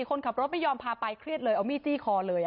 คนขับรถไม่ยอมพาไปเครียดเลยเอามีดจี้คอเลย